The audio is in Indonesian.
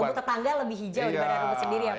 rumput tetangga lebih hijau daripada rubuh sendiri ya pak